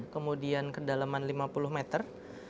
kemudian kedalaman lima puluh meter